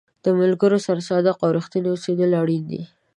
د ملګرو سره صادق او رښتینی اوسېدل اړین دي.